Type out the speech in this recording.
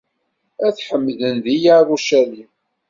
Ad t-ḥemden, di Yarucalim.